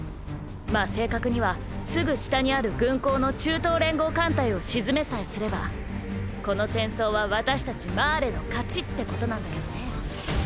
まぁ正確にはすぐ下にある軍港の中東連合艦隊を沈めさえすればこの戦争は私たちマーレの勝ちってことなんだけどね。